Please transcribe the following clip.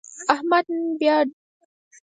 احمد نن بیا ډول ته ښې څڼې غورځولې.